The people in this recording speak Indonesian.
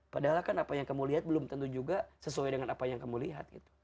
padahal kan apa yang kamu lihat belum tentu juga sesuai dengan apa yang kamu lihat